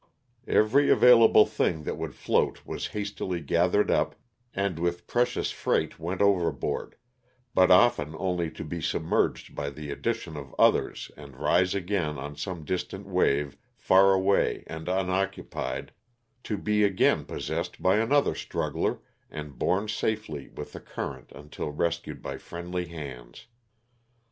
Every available thing that would float was hastily gathered up and with precious freight went overboard, but often only to be submerged by the addition of others and rise again on some distant wave far away and unoccupied, to be again possessed by another struggler and borne safely with the current until rescued by friendly hands.